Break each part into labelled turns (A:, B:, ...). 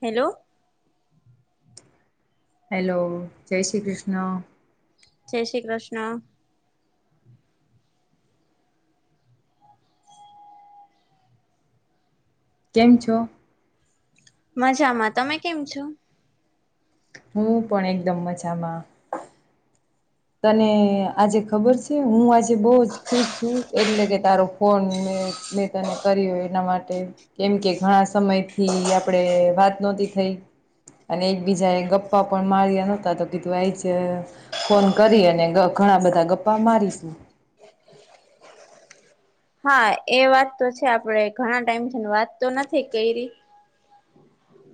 A: Hello.
B: Hello, જય શ્રી કૃષ્ણ
A: જય શ્રી કૃષ્ણ
B: કેમ છો?
A: મજામાં. તમે કેમ છો?
B: હું પણ એકદમ મજામાં તને આજે ખબર છે, હું આજે બહુ જ ખુશ છું. એટલે કે તારો ફોન મે મેં તને કર્યો એના માટે કેમ કે ઘણા સમયથી આપણેે વાત નોતી થઈ અને એકબીજાન એ ગપ્પા પણ માર્યા નોતા તો કીધું આઈ જ ફોન કરી અને ઘ ઘણા બધા ગપ્પા મારીશું.
A: હા, એ વાત તો છે આપણેે ઘણા ટાઈમ છે વાત તો નથી કરી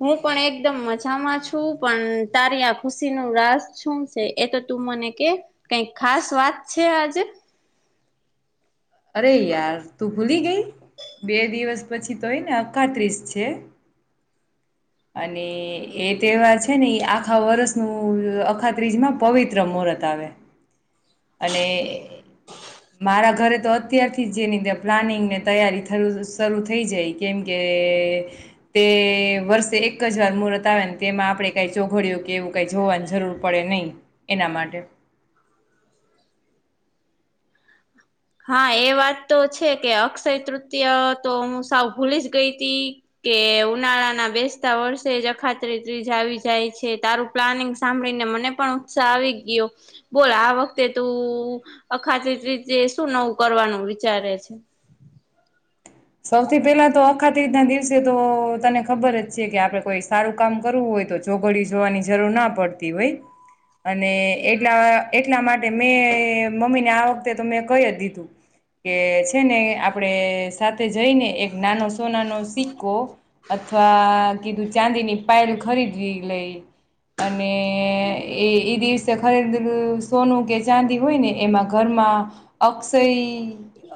A: હું પણ એકદમ મજામાં છું, પણ તારી આ ખુશી ન રાસ શું છે, એ તો તું મને કે કઈક ખાસ વાત છે આજે?
B: અરે યાર! તું ભૂલી ગઈ બે દિવસ પછી તો હે ને અખાત્રીસ છે અને એ તહેવાર છે, ને એ આખા વર્ષનું અખાત્રીજ માં પવિત્ર મુહૂર્ત આવે. અને મારા ઘરે તો અત્યારથી જેની પ્લાનિંગને તૈયારી શરૂ થઈ જાય, કેમકે તે વર્ષે એક જ વાર મુહૂર્ત આવે ને તેમાં આપણે કાંઈ ચોઘડીયો કે એવું કાંઈ જોવાની જરૂર પડે નહીં, એના માટે.
A: હા એ વાત તો છે કે અક્ષય તૃતય તો હું સાવ ભૂલી જ ગઈ તી કે ઉનાળાના બેસતા વર્ષે જ અખાત્રી ત્રીજ આવી જાય છે, તારું પ્લાનિંગ સાંભળીને મને પણ ઉત્સાહ આવી ગયો બોલ આ વખતે તું અખાત્રી ત્રીજ શું નવું કરવાનું વિચારે છે?
B: સૌથી પહેલા તો અખાત રીતના દિવસે તો તને ખબર જ છે, કે આપડે કોઈ સારું કામ કરવું હોય તો ચોઘડિયુ જોવાની જરૂર ના પડતી હોય અને એટલા એટલા માટે મેં મમ્મીને આ વખતે તો મેં ક‌ઈ જ દીધું કે છે ને આપણે સાથે જઈને એક નાનો સોનાનો સિક્કો અથ વા કીધું ચાંદીની પાઇલ ખરીદી લઈ અને એ એ દિવસે ખરીદલું સોનું કે ચાંદી હોય, ને એમાં ઘરમાં અક્ષય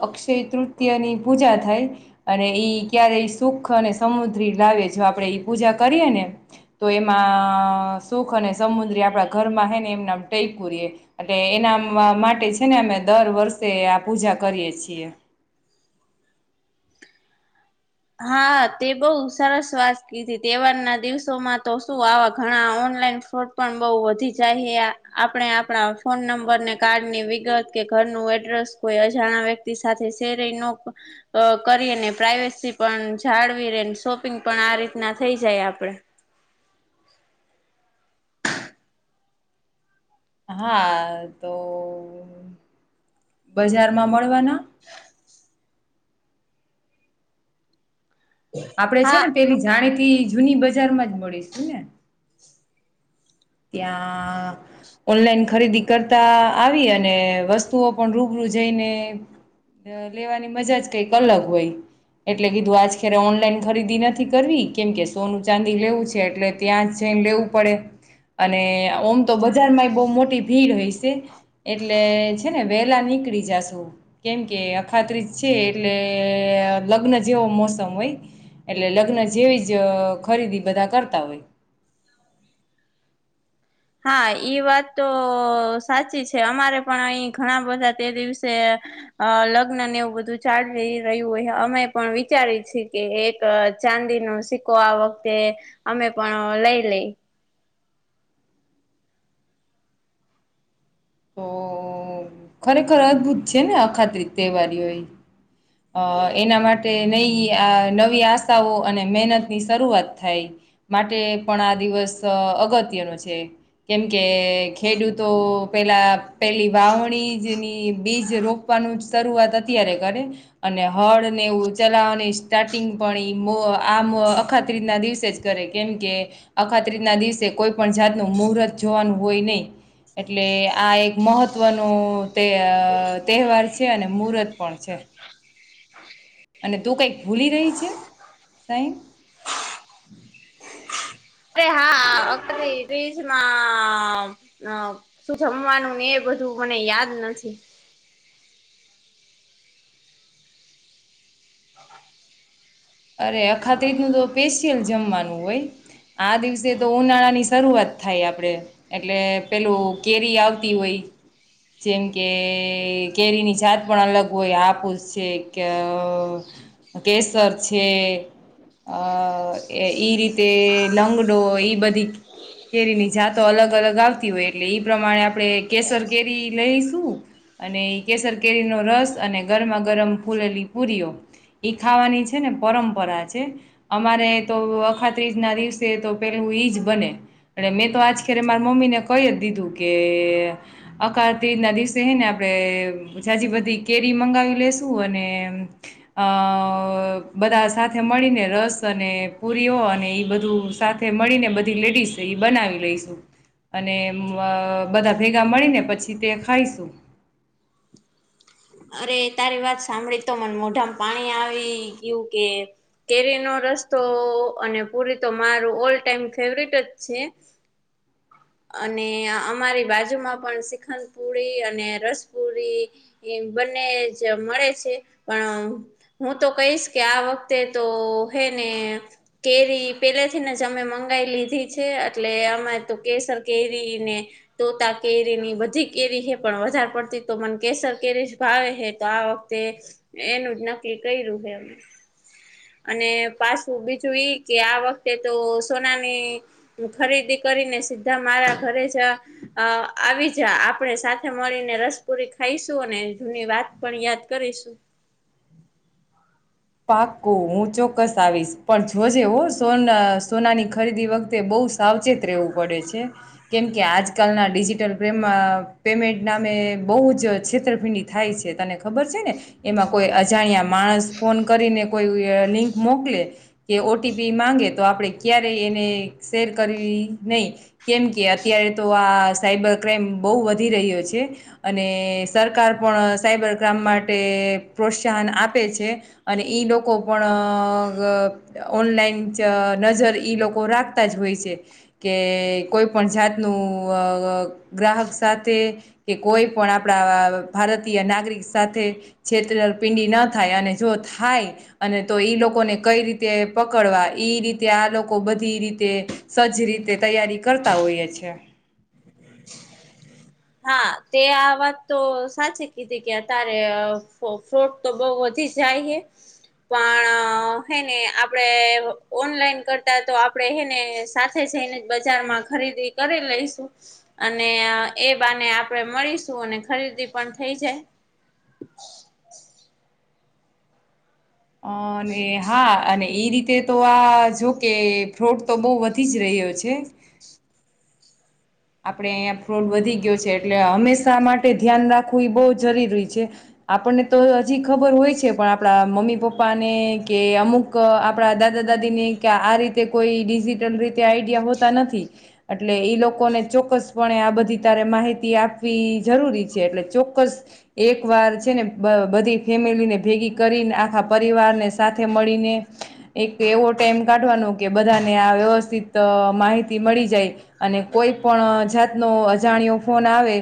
B: અક્ષય તૃતયની પૂજા થાય, અને ઈ ક્યારે સુખ અને સમુદ્રી લાવે જો આપણે પૂજા કરીએ ને તો એમાં સુખ અને સમુદ્રી આપણા ઘરમાં હ ને એમના ટૈકુ રે અને એના માટે છે, ને અમે દર વર્ષે આ પૂજા કરીએ છીએ.
A: હા, તે બહુ સરસ વાત કીધી તહેવારના દિવસોમાં તો શું આવા ઘણા ઓનલાઈન ફોટ પણ બઉ વધી જાય હે આપણે આપણા ફોન નંબરને કાર્ડની વિગત કે ઘરનું એડ્રેસ કોઈ અજાણા વ્યક્તિ સાથે શેરય નો અ કરીન‌એ પ્રાઈવેસી પણ જાળવી રેન શોપિંગ પણ આ રીતના થઈ જાય, આપડે.
B: હા, અ તો બજારમાં મળવાના?
A: [unintelligible]
B: આપડે છે
A: હા
B: ને પેલી જાણીતી જ જૂની બજારમાં જ મળીશું ને? ત્યાં ઓનલાઈન ખરીદી કરતા આવી અને વસ્તુઓ પણ રૂબરૂ જઈને લેવાની મજા જ કઈક અલગ હોય એટલે કીધું આજ ખેરે ઓનલાઈન ખરીદી નથી કરવી કેમકે સોનું ચાંદી લેવું છે, એટલે ત્યાં જઈને લેવું પડે. અને ઓમ તો બજારમાં એ બહુ મોટી ભીડ હોય છે, એટલે છે ને વેલા નીકળી જશુ કેમ કે અખાત્રીજ છે, એટલે લગ્ન જેવો મોસમ હોય એટલે લગ્ન જેવી જ અ ખરીદી બધા કરતા હોય.
A: હા, ઈ વાત તો સાચી છે અમારે પણ અહી ઘણા બધા તે દિવસે અ લગ્ન ને એવું બધું ચાલી રહ્યું હોય, અમે પણ વિચારી છીએ કે એક ચાંદીનો સિક્કો આ વખતે અમે પણ લઈ લઈ.
B: તો ખરેખર અદભુત છે ને અખાત્રી તહેવારીઓ એ! અ એના માટે નઈ આ નવી આશાઓ અને મહેનતની શરૂઆત થાય માટે પણ આ દિવસ અ અગત્યનો છે, કેમકે ખેડૂતો પેલા પેલી વાવણીજની બીજ રોપવાનું જ શરૂઆત અત્યારે કરે, અને હળ ને એવું ચલાવાની સ્ટાર્ટિંગ પણ એ મ આમ અખાત્રીતના દિવસે જ કરે કેમકે અખાત્રીતના દિવસે કોઈ પણ જાતનું મુહૂર્ત જોવાનું હોય નહી, એટલે આ એક મહત્વનું તે અ તહેવાર છે અને મુહૂર્ત પણ છે. અને તું કઈક ભૂલી રહી છે? સાઈન
A: અરે હા હા અ શું જમવાનુંને એ બધું મને યાદ નથી.
B: અરે અખાત્રીજ નું તો [unintelligible] જમવાનું હોય આ દિવસે તો ઉનાળા ની શરૂઆત થાય આપડે. એટલે પેલું કેરી આવતી હોય જેમ કે કેરીની જાત પણ અલગ હોય, હાપુસ છે કે અ કેસર પછ અ ઈ રીતે લંગડો એ બધી કેરીની જાતો અલગ અલગ આવતી હોય એટલે ઈ પ્રમાણે આપણે કેસર કેરી લઈશું, અને કેસર કેરીનો રસ અને ગરમા ગરમ ફૂલેલી પુરીઓ ઈ ખાવાની જ છે ને પરંપરા છે, અમારે તો અખાત્રીજ ના દિવસે તો પેલું ઈજ બને એટલે મેં તો આજ ખેરે મારા મમ્મી ને કહી જ દીધું કે અખાત્રીજ ના દિવસે હ ને આપણે જાજી બધી કેરી મંગાવી લેશું અને અ બધા સાથે મળીને રસ અને પુરીઓ અને એ બધું સાથે મળીને બધી લેડીઝ એ બનાવી લઈશું. અને અ બધા ભેગા મળીને પછી તે ખાઈશું.
A: અરે તારી વાત સાંભળી તો મને મોઢામાં પાણી આવી ગયું કે કેરી નો રસ્તો અને પૂરી તો મારું ઓલ ટાઈમ ફેવરેટ જ છે, અને અમારી બાજુમાં પણ શિખડ પુરી અને રસપુરી એમ બંને જ મળે છે, પણ હું તો કહીશ કે આ વખતે તો હેને કેરી પેલે થીને જ અમે મંગાવાઈ લીધી છે, એટલે અમે તો કેસર કેરી ને તોતા કેરી ની બધી કેરી હે પણ વધારે પડતી તો મને કેસર કેરી જ ભાવે હે તો આ વખતે એનું જ નક્કી કર્યું હે અને પાછું બીજું ઈ કે આ વખતે તો સોનાની ખરીદી કરીને સીધા મારા ઘરે જ અ આવી જા આપણે સાથે મળીને રસપુરી ખાઈશ અને જૂની વાત પણ યાદ કરીશું.
B: પાકું હું ચોક્કસ આવીશ પણ જોજે હો સોન સોનાની ખરીદી વખતે બ‌ઉ સાવચેત રહેવું પડે છે કેમકે આજકાલના ડિજીિટલ પેમ પેમેન્ટ નામે બ‌ઉ જ છેતર પિંડી થાય છે તને ખ ખબર છે ને એમાં કોઈ અજાણ્યા માણસ ફોન કરીને કોઈ લિંક મોકલે કે ઓટીપી માંગે તો આપણે ક્યારેય એને શેર કરવી નહી કેમકે અત્યારે તો આ સાયબર ક્રાઈમ બહુ વધી રહ્યો છે અને સરકાર પણ સાયબર ક્રાઈમ માટે પ્રોત્સાહન આપે છે અને ઈ લોકો પણ અ ગ ઓનલાઈન નજર ઈ લોકો રાખતા જ હોય છે કે કોઈ પણ જાતનું ગ્રાહક સાથે કે કોઈ પણ આપણા ભારતીય નાગરિક સાથે છેતપિંડી ન થાય અને જોત થાય અને તો ઈ લોકોને કઈ રીતે પકડવા ઈ રીતે આ લોકો બધી રીતે સજ્જ રીતે તૈયારી કરતા હોઈએ છે
A: હા તે આ વાત તો સાચી કીધી કે અત્યારે ફ્રોટ તો બઉ વધી જાય છે પણ હેને આપણેે ઓનલાઈન કરતા તો આપણે હને સાથે જઈને બજારમાં ખરીદી કરી લઈશું અને એ બાને આપણે મળીશું અને ખરીદી પણ થઈ જાય
B: અ અને હા અને એ રીતે તો આ જો કે ફ્રોડ તો બહુ વધી જ રહ્યો છે આપણે અહીંયા ફ્રોડ વધી ગયો છે એટલે હંમેશા માટે ધ્યાન રાખવું એ બહ જરૂરી છે આપણને તો હજી ખબર હોય છે પણ આપણા મમ્મી પપ્પાને કે અમુક આપણા દાદા દાદીને કે આ રીતે કોઈ ડિજિટલ રીતે આઈડિયા હોતા નથી એટલે ઈ લોકોને ચોક્કસપણે આ બધી તારે માહિતી આપવી જરૂરી છે એટલે ચોક્કસ એક વાર છે ને બ બધી ફેમિલીને ભેગી કરીને આખા પરિવારને સાથે મળીને એક એવો ટાઈમ કાઢવાનો કે બધાને આ વ્યવસ્થિત માહિતી મળી જાય અને કોઈ પણ જાતનો અજાણ્યો ફોન આવે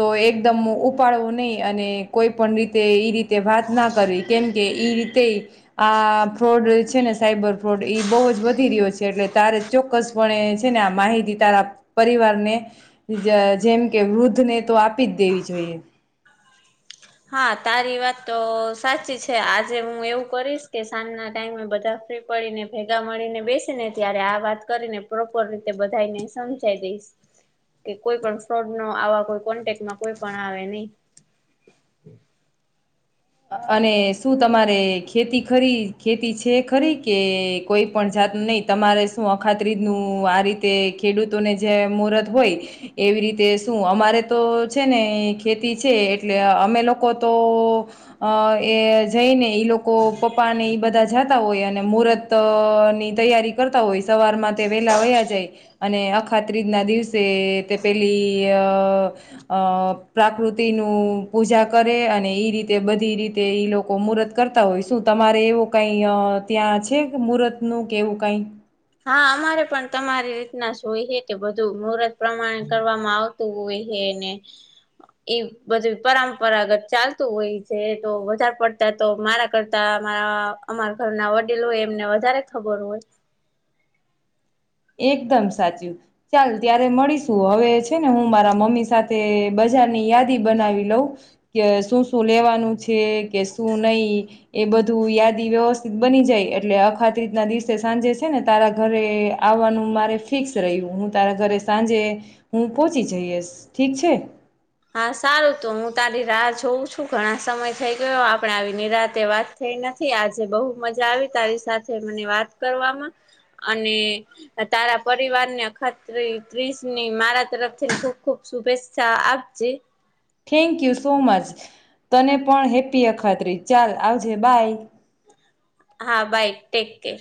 B: તો એકદમ ઉપાડવું નહીિ અને કોઈ પણ રીતે એઈ રીતે વાત ના કરવી કેમકે એ રીતે આ ફ્રોડ છે ને સાયબર ફ્રોડ બહુ જ વધી રહ્યો છે એટલે તારે ચોક્કસપણે છે ને આ માહિતી તારા પરિવારને જેમ કે વૃદ્ધને તો આપી જ દેવી જોઈએ
A: હા તારી વાત તો સાચી છે આજે હું એવું કરીશ કે સાંજના ટાઈમે બધા ફ્રી પડીને ભેગા મળીને બેસે ને ત્યારે આ વાત કરીને પ્રોપર રીતે બધાને સમજાઈ દઈશ કે કોઈ પણ ફ્રોડ નો આવા કોઈ કોન્ટેકમાં કોઈ પણ આવે નહી
B: અને શું તમારે ખેતી ખરી ખેતી છે ખરી કે કોઈ પણ જાત નહી તમારે શું અખાત્રીજ નું આ રીતે ખેડૂતોને જે મુહૂર્ત હોય એવી રીતે શું અમારે તો છે ને ખેતી છે એટલે અમે લોકો તો અ એ જઈને ઈ લોકો પપ્પાને ઈ બધા જાતા હોય અને મુહૂર્ત ની તૈયારી કરતા હોય સવારમાં તે વેલા વયા જાય અને અખાત્રીજ ના દિવસે તે પેલી અ પ્રાકૃતિનું પૂજા કરે અને ઈ રીતે બધ બધી રીતે ઈ લોકો મુૂત કરતા હોય શું તમારે એવું કઈ ત્યાં છે મુૂત નું કે એવું કઈ
A: હા અમારે પણ તમારી રીતના શય છે કે બધું મુહર્ત પ્રમાણે કરવામાં આવતું હોય છેને એ બધી પરંપરાગત ચાલતું હોય છે તો વધારે પડતા તો મારા કરતારા અમારા ઘરના વડીલો હો એમને વધારે ખબર હોય
B: એકદમ સાચું ચાલ ત્યારે મળી શું આવેવે છે ને હું મારા મમ્મી સાથે બજારની યાદી બનાવી લઉં કે શું શું લેવાનું છે કે શું નહીિ એ બધું યાદી વ્યવસ્થિત બની જાય એટલે અખાત રીતના દિવસે સાંજે છે ને તારા ઘરે આવવાનું મારે ફિક્સ રહ્યું હું તારા ઘરે સાંજે હું પહોચી જઈશ ઠીક છે
A: હા સારું તોું હું તારી રાહ જોઉં છું ઘણા સમય થઈ ગયો આપણે આવીની રાતે વાત થઈ નથી આજે બહુ મજા આવી તારી સાથે મને વાત કરવામાં અને તારા પરિવારને અખત્રી ત્રીજની મારા તરફથી ખુબ ખુબ શુભેચ્છા આપ આપ જે
B: થેન્ક યુ સો મચ તને પણ હેપી અખાત્રી ચાલ આવજે બાય
A: હા બાઈ ટેક કેર